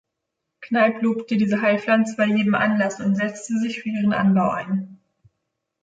Kneipp lobte diese Heilpflanze bei jedem Anlass und setzte sich für ihren Anbau ein.